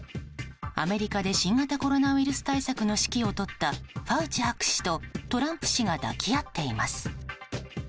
アメリカで新型コロナウイルス対策の指揮を執ったファウチ博士とトランプ氏が抱き合っています。